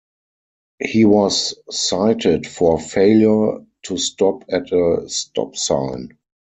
He was cited for failure to stop at a stop sign.